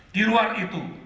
di luar itu